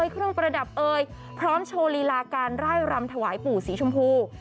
คุณเลยลาการไหล่รำถวายปู่สีชมพู